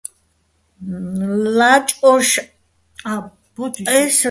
ლაჭყუშ ა́მბუჲ ჲე́ჸეჼ თხო́́ჼ, მე ყვა́რლი დახვრე́ტადვიე შუჼ და́დ-აჲნო̆, სა́ფლავ ცო ჲა ო́ჴუიჼ.